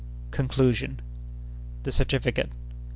Conclusion.—The Certificate.